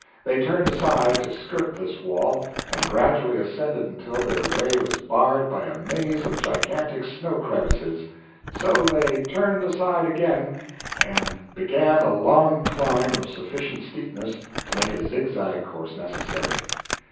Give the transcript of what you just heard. They turned aside to skirt this wall, and gradually ascended until their way was barred by a "maze of gigantic snow crevices," so they turned aside again, and "began a long climb of sufficient steepness to make a zigzag course necessary."